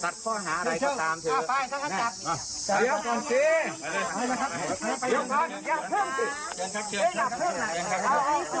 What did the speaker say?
สัดข้อหาอะไรก็ตามเถอะ